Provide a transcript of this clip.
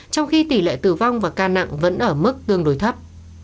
trong khi tỷ lệ tử vong và ca nặng vẫn ở mức tương đối thấp